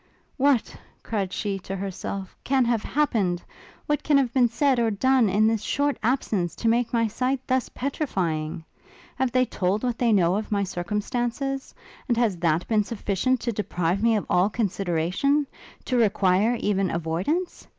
What, cried she, to herself, can have happened? What can have been said or done, in this short absence, to make my sight thus petrifying? Have they told what they know of my circumstances? And has that been sufficient to deprive me of all consideration? to require even avoidance?